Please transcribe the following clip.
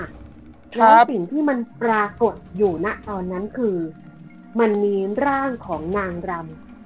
แล้วสิ่งที่มันปรากฏอยู่นะตอนนั้นคือมันมีร่างของนางรำ